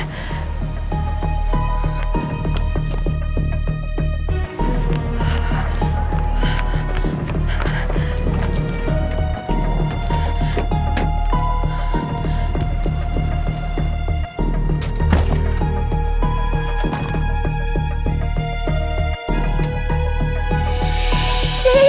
aku mau ke rumah